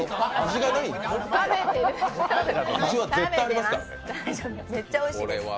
味は絶対ありますからね。